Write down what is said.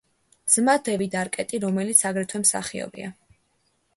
ძმა დევიდ არკეტი, რომელიც აგრეთვე მსახიობია.